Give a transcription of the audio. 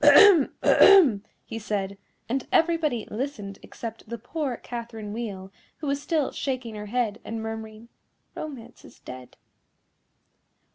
"Ahem! ahem!" he said, and everybody listened except the poor Catherine Wheel, who was still shaking her head, and murmuring, "Romance is dead."